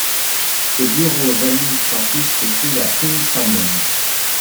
Ses bureaux administratifs se trouvent à King Salmon.